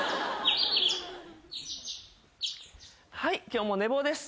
はい今日も寝坊です。